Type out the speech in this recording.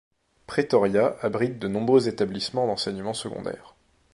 Pretoria abrite de nombreux établissements d'enseignement secondaire.